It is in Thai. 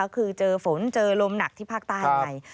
คือเจอฝนเจอลมหนักที่ภาคใต้ไง